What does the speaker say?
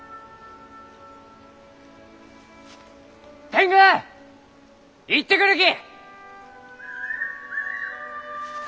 天狗行ってくるき！